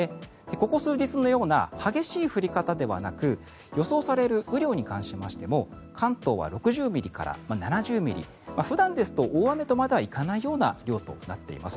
ここ数日のような激しい降り方ではなくて予想される雨量に関しましても関東は６０ミリから７０ミリ普段ですと大雨とまではいかない量となっています。